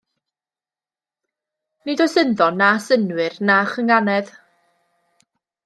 Nid oes ynddo na synnwyr na chynghanedd.